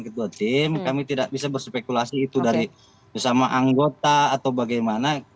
ketua tim kami tidak bisa berspekulasi itu dari sesama anggota atau bagaimana